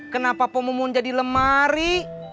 kenapa poh mumun jadi lemari